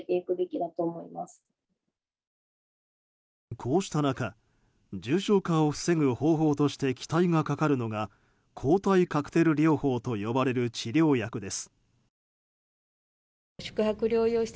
こうした中重症化を防ぐ方法として期待がかかるのが抗体カクテル療法と呼ばれる治療薬です。